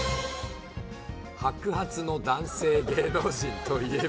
白髪の男性芸能人といえば？